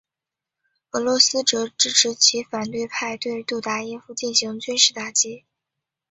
俄罗斯则支持其反对派对杜达耶夫进行军事打击。